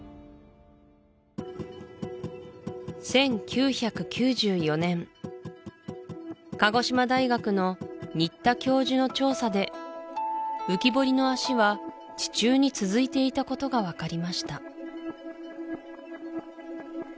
１９９４年鹿児島大学の新田教授の調査で浮き彫りの脚は地中に続いていたことが分かりました